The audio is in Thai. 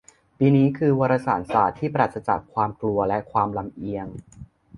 ปีนี้ คือ "วารสารศาสตร์ที่ปราศจากความกลัวและความลำเอียง"